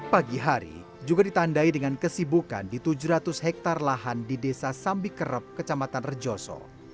pagi hari juga ditandai dengan kesibukan di tujuh ratus hektare lahan di desa sambikerep kecamatan rejoso